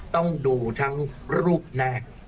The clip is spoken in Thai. ต้องดูทั้งรูปหน้า